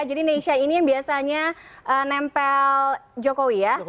jadi neisha ini yang biasanya nempel jokowi ya